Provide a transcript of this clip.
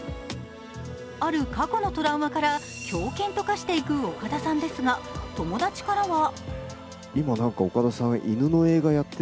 ある過去のトラウマから狂犬と化していく岡田さんですが友達からは映画では狂犬コンビとして